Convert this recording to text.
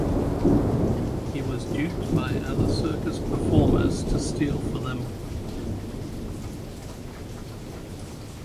He was duped by other circus performers to steal for them.